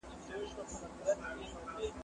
سبزیحات د مور له خوا پاخلي کيږي؟